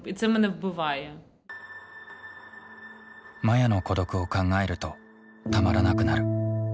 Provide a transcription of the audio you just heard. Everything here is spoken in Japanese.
マヤの孤独を考えるとたまらなくなる。